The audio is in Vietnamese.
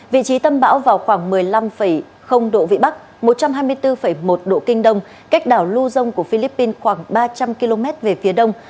vị trí tâm bão vào khoảng một mươi năm độ vĩ bắc một trăm hai mươi bốn một độ kinh đông cách đảo luzon của philippines khoảng ba trăm linh km về phía đông